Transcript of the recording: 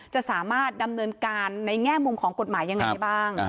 จะสามารถดำเนินการในแง่มุมของกฎหมายยังไงได้บ้าง